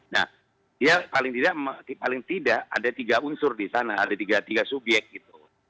nah dia paling tidak ada tiga unsur di sana ada tiga subyek gitu